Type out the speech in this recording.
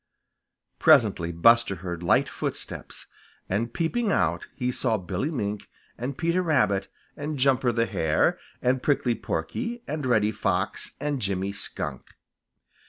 Presently Buster heard light footsteps, and peeping out, he saw Billy Mink and Peter Rabbit and Jumper the Hare and Prickly Porky and Reddy Fox and Jimmy Skunk.